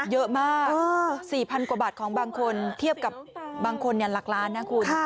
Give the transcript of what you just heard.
เยอะมาก๔๐๐๐กว่าบาทของบางคนเทียบกับบางคนหลักล้านนะคุณ